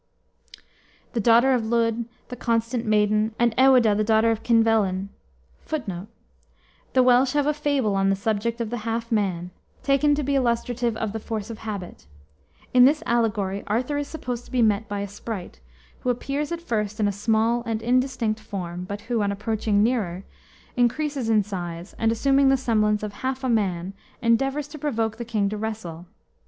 ] the daughter of Lludd, the constant maiden, and Ewaedah, the daughter of Kynvelyn, [Footnote: The Welsh have a fable on the subject of the half man, taken to be illustrative of the force of habit. In this allegory Arthur is supposed to be met by a sprite, who appears at first in a small and indistinct form, but who, on approaching nearer, increases in size, and, assuming the semblance of half a man, endeavors to provoke the king to wrestle.